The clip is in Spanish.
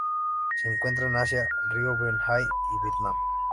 Se encuentran en Asia: río Ben Hai en Vietnam.